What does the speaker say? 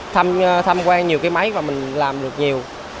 tham quan nhiều cái máy và mình làm được nhiều